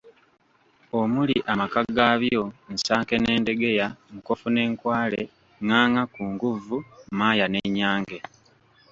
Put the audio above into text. "Omuli amaka gaabyo, Nsanke n’endegeya, Nkofu n’enkwale, Ngaanga kunguvvu, Mmaaya n’ennyange."